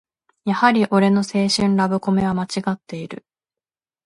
やはり俺の青春ラブコメはまちがっている